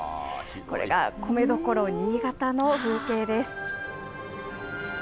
これが米どころ、新潟の風景です。